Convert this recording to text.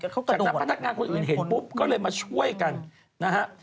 จากนั้นพนักงานคนอื่นเห็นปุ๊บก็เลยมาช่วยกันนะฮะ